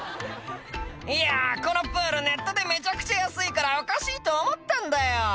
「いやこのプールネットでめちゃくちゃ安いからおかしいと思ったんだよ」